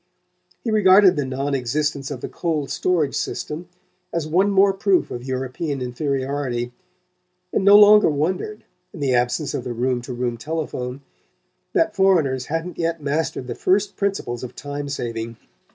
He regarded the non existence of the cold storage system as one more proof of European inferiority, and no longer wondered, in the absence of the room to room telephone, that foreigners hadn't yet mastered the first principles of time saving.